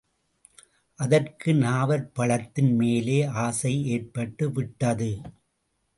அதற்கு நாவற்பழத்தின் மேலே ஆசை ஏற்பட்டுவிட்டது.